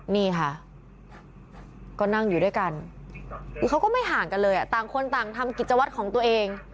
นี่ค่ะก็นั่งอยู่ด้วยกันคือเขาก็ไม่ห่างกันเลยต่างคนต่างทำกิจวัตรของตัวเอง